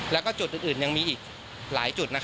แล้วก็จุดอื่นยังมีอีกหลายจุด